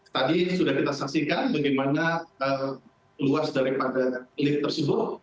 tadi sudah kita saksikan bagaimana luas daripada lift tersebut